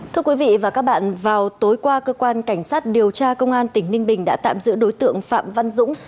thưa quý vị và các bạn vào tối qua cơ quan cảnh sát điều tra công an tỉnh ninh bình đã tạm giữ đối tượng phạm văn dũng